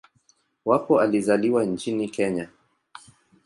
Wako alizaliwa nchini Kenya.